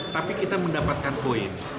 tapi kita mendapatkan poin